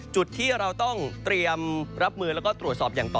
จุดที่เราต้องเตรียมรับมือแล้วก็ตรวจสอบอย่างต่อ